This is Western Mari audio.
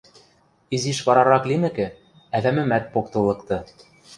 Изиш варарак лимӹкӹ, ӓвӓмӹмӓт поктыл лыкты.